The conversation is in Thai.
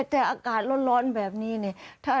แต่อากาศร้อนแบบนี้เนี่ย